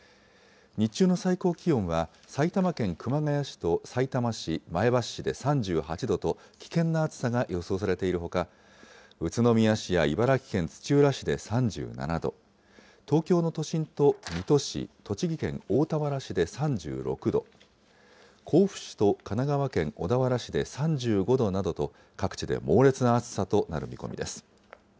日中の最高気温は埼玉県熊谷市とさいたま市、前橋市で３８度と危険な暑さが予想されているほか、宇都宮市や茨城県土浦市で３７度、東京の都心と水戸市、栃木県大田原市で３６度、甲府市と神奈川県小田原市で３５度などと、各地で猛烈な暑さとなる見込みです。